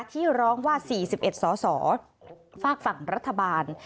ที่ร้องว่า๔๑สอศฝรัฐบาล